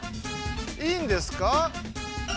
いいんですか？